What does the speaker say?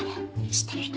知ってる人？